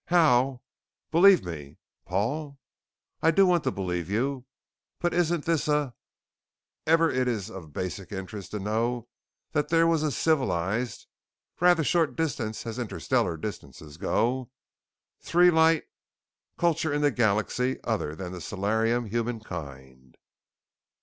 How believe me?" "Paul, I do want to believe you, but isn't this a ever it is of basic interest to know that there was a civilized rather short distance as interstellar distances go? Three light culture in the galaxy other than Solarium Humankind.